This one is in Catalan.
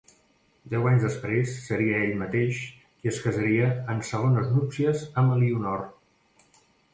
Deu anys després seria ell mateix qui es casaria en segones núpcies amb Elionor.